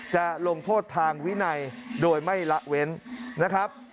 จะลงโทษทางวินัยโดยไม่ละเว้นนะครับ